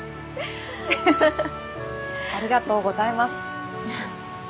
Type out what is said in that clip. ありがとうございます。